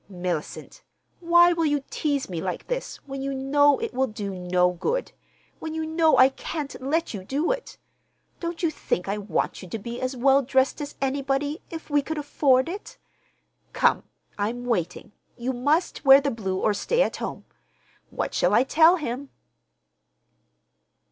"Mellicent, why will you tease me like this, when you know it will do no good?—when you know I can't let you do it? Don't you think I want you to be as well dressed as anybody, if we could afford it? Come, I'm waiting. You must wear the blue or stay at home. What shall I tell him?"